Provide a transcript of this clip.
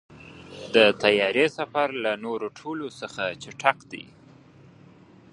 د طیارې سفر له نورو ټولو څخه چټک دی.